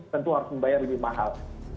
tentu harus membayar lebih mahal